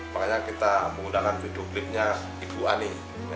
makanya kita menggunakan video klipnya ibu ani